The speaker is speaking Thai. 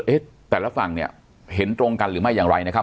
แต่ละฝั่งเนี่ยเห็นตรงกันหรือไม่อย่างไรนะครับ